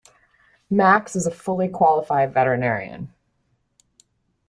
Max is a fully qualified veterinarian.